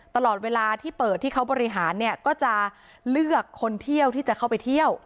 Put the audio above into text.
ตลอดเวลาที่เปิดที่เขาบริหารเนี่ยก็จะเลือกคนเที่ยวที่จะเข้าไปเที่ยว